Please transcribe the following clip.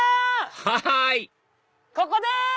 はいここです！